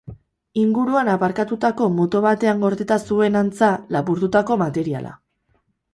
Inguruan aparkatutako moto batean gordeta zuen, antza, lapurtutako materiala.